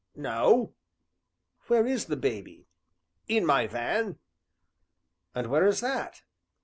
"No," "Where is the baby?" "In my van." "And where is that?"